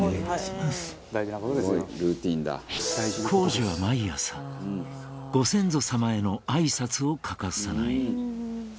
紘二は毎朝、ご先祖様へのあいさつを欠かさない。